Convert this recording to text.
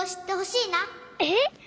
えっ？